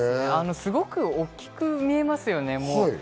すごく大きく見えますよね。